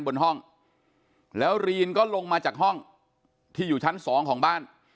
บนห้องแล้วรีนก็ลงมาจากห้องที่อยู่ชั้นสองของบ้าน